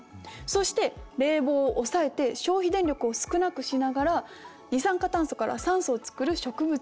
そして冷房を抑えて消費電力を少なくしながら二酸化炭素から酸素を作る植物を増やす。